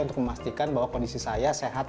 untuk memastikan bahwa kondisi saya sehat